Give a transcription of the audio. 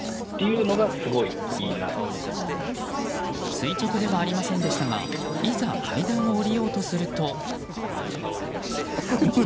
垂直ではありませんでしたがいざ、階段を下りようとすると。